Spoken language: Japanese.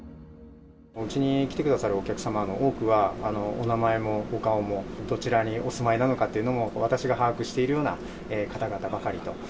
うちに来てくださるお客様の多くは、お名前もお顔も、どちらにお住まいなのかっていうのも、私が把握しているような方々ばかりと。